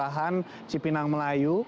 kelurahan cipinang melayu